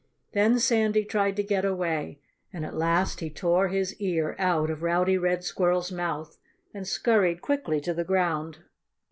Then Sandy tried to get away. And at last he tore his ear out of Rowdy Red Squirrel's mouth and scurried quickly to the ground.